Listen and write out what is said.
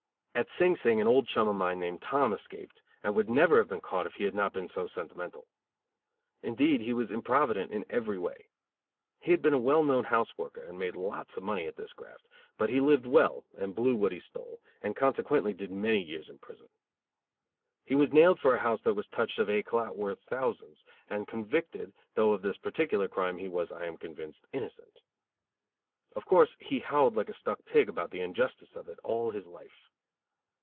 At Sing Sing an old chum of mine named Tom escaped, and would never have been caught if he had not been so sentimental. Indeed, he was improvident in every way. He had been a well known house worker, and made lots of money at this graft, but he lived well and blew what he stole, and consequently did many years in prison. He was nailed for a house that was touched of "éclat" worth thousands, and convicted, though of this particular crime he was, I am convinced, innocent; of course, he howled like a stuck pig about the injustice of it, all his life.